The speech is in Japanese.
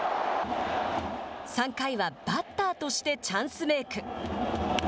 ３回はバッターとしてチャンスメーク。